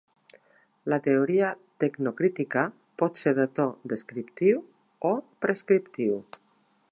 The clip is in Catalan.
La teoria tecnocrítica pot ser de to "descriptiu" o "prescriptiu".